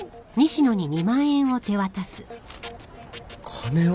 金を？